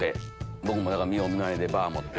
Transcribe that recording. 僕も見よう見まねでバー持って。